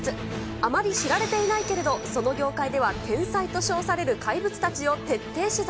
あまり知られていないけれど、その業界では天才と称される怪物たちを徹底取材。